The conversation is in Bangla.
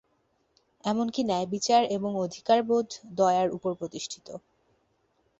এমন কি ন্যায়বিচার এবং অধিকারবোধ দয়ার উপর প্রতিষ্ঠিত।